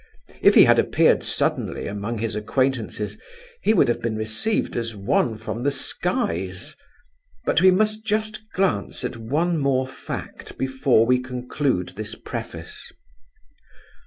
If he had appeared suddenly among his acquaintances, he would have been received as one from the skies; but we must just glance at one more fact before we conclude this preface.